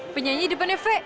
penyanyi depannya v